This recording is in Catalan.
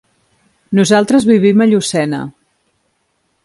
Nosaltres vivim a Llucena.